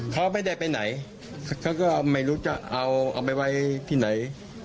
เขาไม่ได้ไปไหนเขาก็ไม่รู้จะเอาเอาไปไว้ที่ไหน